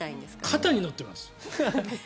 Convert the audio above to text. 肩に乗ってます。